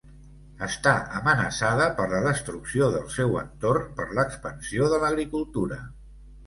Està amenaçada per la destrucció del seu entorn per l'expansió de l'agricultura.